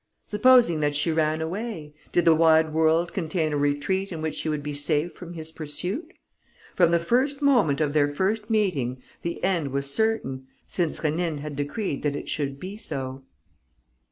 Supposing that she ran away: did the wide world contain a retreat in which she would be safe from his pursuit? From the first moment of their first meeting, the end was certain, since Rénine had decreed that it should be so.